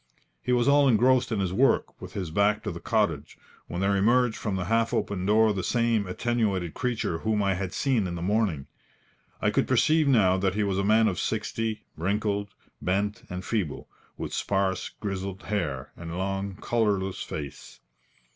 He was all engrossed in his work, with his back to the cottage, when there emerged from the half open door the same attenuated creature whom I had seen in the morning. I could perceive now that he was a man of sixty, wrinkled, bent, and feeble, with sparse, grizzled hair, and long, colourless face.